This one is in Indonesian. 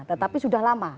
tetapi sudah lama